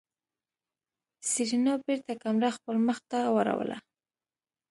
سېرېنا بېرته کمره خپل مخ ته واړوله.